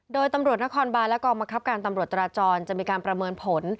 โดยตำรวจนครบานและกองบังคับการตำรวจจราจรจะมีการประเมินผล